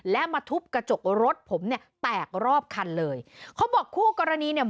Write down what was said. และมาทุบกระจกรถผมเนี่ยแตกรอบคันเลยเขาบอกคู่กรณีเนี่ย